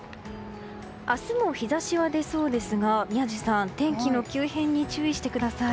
明日も日差しは出そうですが宮司さん天気の急変に注意してください。